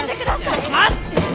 ちょっと待ってよ！